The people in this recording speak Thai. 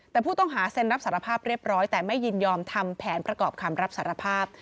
แต่ผู้ต้องหาเซ็นรับสารภาพเรียบร้อยแต่ไม่ยินยอมทำแผนประกอบคำรับสารภาพ